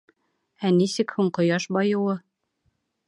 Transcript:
Ә нисек һуң ҡояш байыуы?